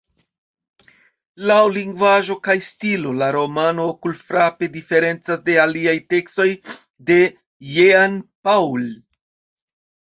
Laŭ lingvaĵo kaj stilo la romano okulfrape diferencas de aliaj tekstoj de Jean Paul.